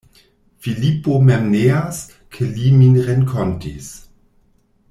Filipo mem neas, ke li min renkontis.